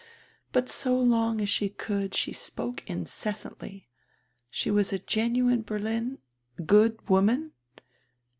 But so long as she could speak she spoke incessantly. She was a genuine Berlin —" "Good woman?"